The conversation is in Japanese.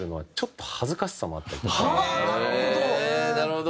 なるほど！